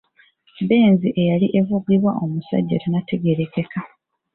Benz eyali evugibwa omusajja ataategerekeka.